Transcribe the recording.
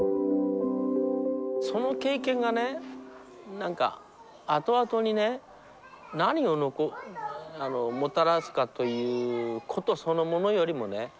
その経験がね何か後々にね何をもたらすかということそのものよりもね。